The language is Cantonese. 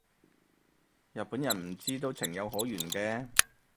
日本人唔知都情有可原嘅